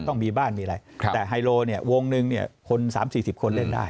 ต้องมีบ้านมีอะไรแต่ไฮโลเนี่ยวงหนึ่งเนี่ยคน๓๔๐คนเล่นได้